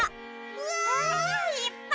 うわ！いっぱい。